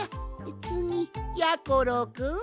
つぎやころくん！